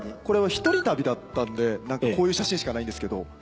これは一人旅だったんでこういう写真しかないんですけど。